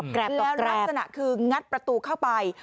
แล้วลักษณะคืองัดประตูเข้าไป